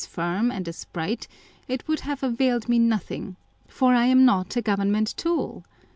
firm and as bright, it would have availed me nothing, for I am not a Government tool !